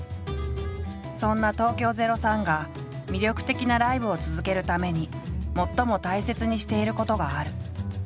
そんな東京０３が魅力的なライブを続けるために最も大切にしていることがある。